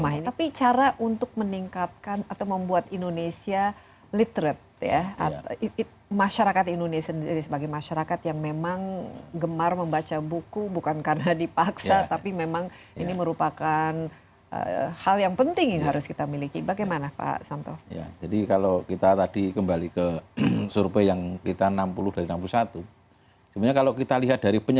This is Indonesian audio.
karena buku buku itu hanya berada di perpustakaan perpustakaan di taman taman bacaan